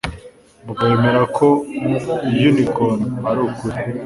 Bobo yemera ko unicorn ari ukuri